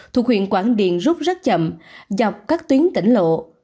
thuộc huyện quảng điền rút rất chậm dọc các tuyến tỉnh lộ